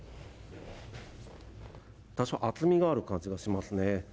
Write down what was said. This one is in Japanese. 多少厚みがある感じがしますね。